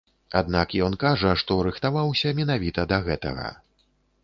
Аднак ён кажа, што рыхтаваўся менавіта да гэтага.